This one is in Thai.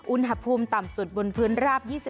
อุณหภูมิต่ำสุดบนพื้นราบ๒๑